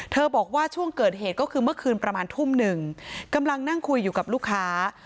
บอกว่าช่วงเกิดเหตุก็คือเมื่อคืนประมาณทุ่มหนึ่งกำลังนั่งคุยอยู่กับลูกค้า